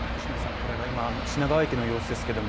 これが今の品川駅の様子ですけども